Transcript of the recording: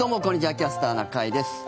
「キャスターな会」です。